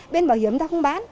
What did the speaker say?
bên bảo hiểm ta không bán